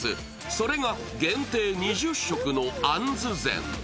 それが限定２０食のあんず膳。